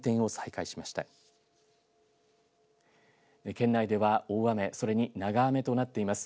県内では大雨、そして長雨となっています。